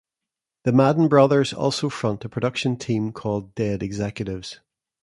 The Madden brothers also front a production team called Dead Executives.